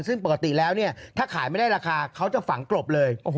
ซึ่งปกติแล้วเนี่ยถ้าขายไม่ได้ราคาเขาจะฝังกลบเลย